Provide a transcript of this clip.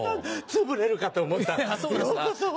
つぶれるかと思ったようこそ。